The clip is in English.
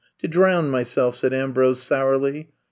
To drown myself," said Ambrose sourly.